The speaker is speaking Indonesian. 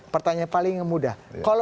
pertanyaan paling mudah